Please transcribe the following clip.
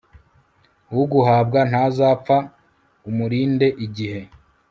uguhabwa ntazapfa umurinde igihe